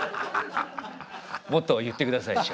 もっと言ってください師匠。